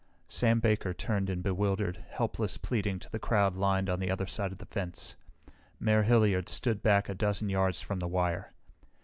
Sam Baker turned in bewildered, helpless pleading to the crowd lined on the other side of the fence. Mayor Hilliard stood back a dozen yards from the wire.